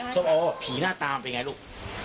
ส้มโอผีหน้าตามเป็นไงลูก